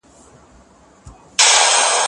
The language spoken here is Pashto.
زه پرون کتابتون ته راځم وم؟!